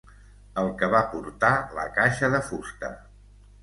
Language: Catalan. El que va portar la caixa de fusta.